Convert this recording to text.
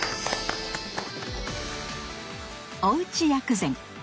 おうち薬膳！